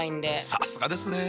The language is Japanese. さすがですね。